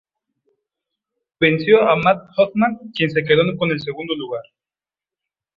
Venció a Matt Hoffman, quien se quedó con el segundo lugar.